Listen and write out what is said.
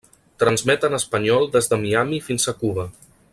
Transmet en espanyol des de Miami fins a Cuba.